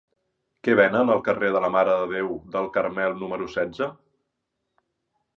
Què venen al carrer de la Mare de Déu del Carmel número setze?